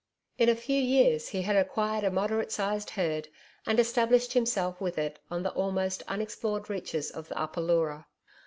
In a few years he had acquired a moderate sized herd and established himself with it on the almost unexplored reaches of the Upper Leura.